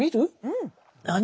うん。